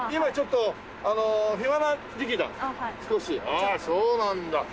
ああそうなんだ。